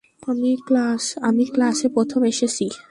আমি ক্লাসে প্রথম এসেছি।